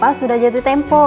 bapak sudah jatuh tempo